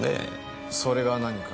それが何か？